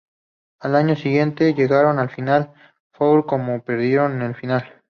Al año siguiente, llegaron a la Final Four pero perdieron en la final.